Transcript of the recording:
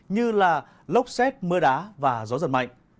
như lốc xét mưa đá và gió giật mạnh